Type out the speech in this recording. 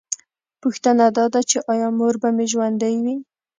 پوښتنه دا ده چې ایا مور به مې ژوندۍ وي